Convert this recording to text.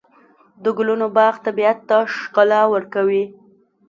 د ګلونو باغ طبیعت ته ښکلا ورکوي.